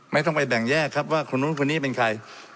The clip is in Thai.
ไม่ต้องไปแบ่งแยกครับว่าคนนู้นคนนี้เป็นใคร